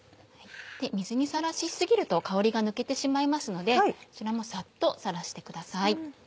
水にさらし過ぎると香りが抜けてしまいますのでこちらもサッとさらしてください。